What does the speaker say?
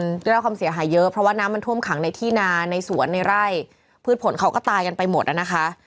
มันได้รับความเสียหายเยอะเพราะว่าน้ำมันท่วมขังในที่นาในสวนในไร่พืชผลเขาก็ตายกันไปหมดอ่ะนะคะ